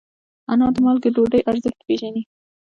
انا د مالګې ډوډۍ ارزښت پېژني